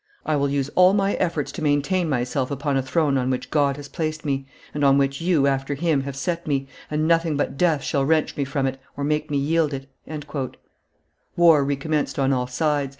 I will use all my efforts to maintain myself upon a throne on which God has placed me, and on which you, after Him, have set me, and nothing but death shall wrench me from it or make me yield it." War re commenced on all sides.